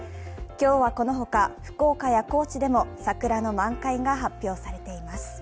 今日はこの他、福岡や高知でも桜の満開が発表されています。